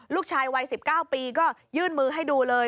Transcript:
ลูกชายวัย๑๙ปีก็ยื่นมือให้ดูเลย